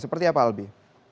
seperti apa albi